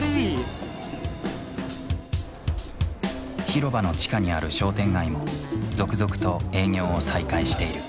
広場の地下にある商店街も続々と営業を再開している。